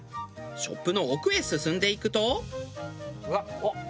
ショップの奥へ進んでいくと。